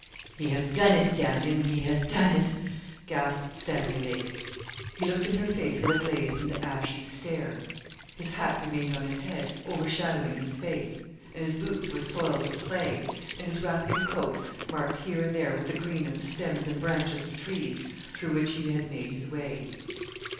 'He has done it; d him, he has done it,' gasped Stanley Lake. He looked in her face with a glazed and ashy stare. His hat remained on his head, overshadowing his face; and his boots were soiled with clay, and his wrapping coat marked, here and there, with the green of the stems and branches of trees, through which he had made his way.